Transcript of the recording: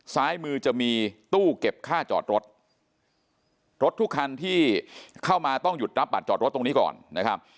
ซ้ายมือจะมีตู้เก็บค่าจอดรถรถทุกคันที่เข้ามาต้องหยุดรับบัตรจอดรถตรงนี้ก่อนนะครับ